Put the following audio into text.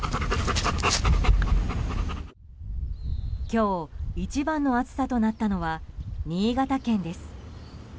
今日一番の暑さとなったのは新潟県です。